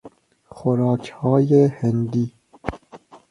خوراکهای هندی